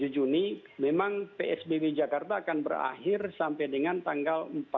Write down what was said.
tujuh juni memang psbb jakarta akan berakhir sampai dengan tanggal empat